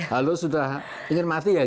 halo sudah ingin mati ya